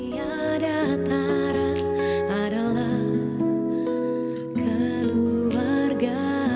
pada atara adalah keluarga